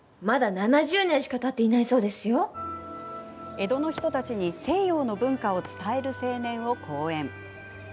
江戸の人たちに西洋の文化を伝える青年を好演。